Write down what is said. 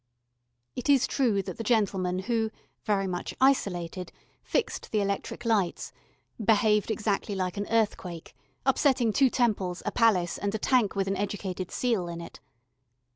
It is true that the gentleman who, very much isolated, fixed the electric lights, behaved exactly like an earthquake, upsetting two temples, a palace, and a tank with an educated seal in it.